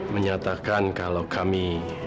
menyatakan kalau kami